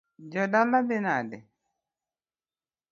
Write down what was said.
Jodala dhi nade?